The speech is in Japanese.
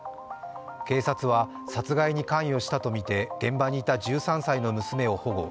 警察は殺害に関与したとみて現場にいた１３歳の娘を保護。